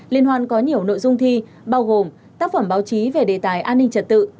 liên hoan có nhiều nội dung thi bao gồm tác phẩm báo chí về đề tài an ninh trật tự